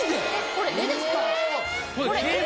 これ絵ですか？